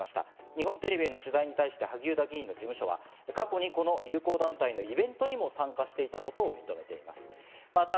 日本テレビの取材に対して萩生田議員の側は、過去にも友好団体のイベントに参加していたことを認めました。